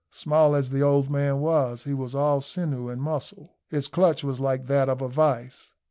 Small as the old man was, he was all sinew and muscle; his clutch was like that of a vice.